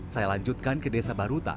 saya lanjutkan ke desa baruta